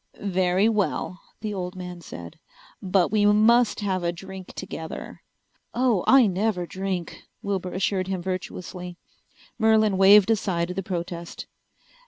"Very well," the old man said. "But we must have a drink together." "Oh, I never drink," Wilbur assured him virtuously. Merlin waved aside the protest.